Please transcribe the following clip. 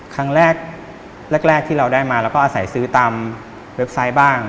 ครั้งแรกแรกที่เราได้มาเราก็อาศัยซื้อตามเว็บไซต์บ้าง